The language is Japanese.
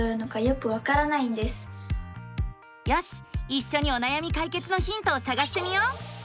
いっしょにおなやみ解決のヒントをさがしてみよう！